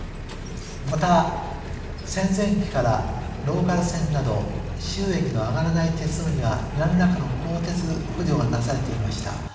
また戦前期からローカル線など収益の上がらない鉄道には何らかの公的補助がなされていました。